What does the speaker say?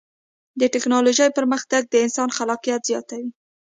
د ټکنالوجۍ پرمختګ د انسان خلاقیت زیاتوي.